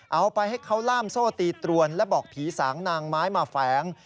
เอาไปให้เขาล่ามโซ่ตีตรวนและบอกผีสางนางไม้มาแฝง